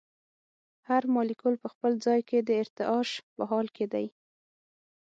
هر مالیکول په خپل ځای کې د ارتعاش په حال کې دی.